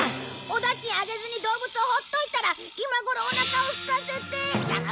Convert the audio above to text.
お駄賃あげずに動物を放っといたら今頃おなかをすかせて。